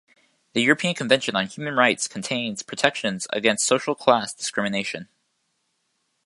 The European Convention on Human Rights contains protections against social class discrimination.